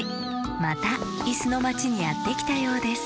またいすのまちにやってきたようです